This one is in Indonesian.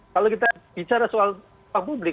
kalau kita bicara soal publik